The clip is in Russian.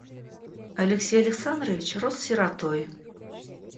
Алексей Александрович рос сиротой.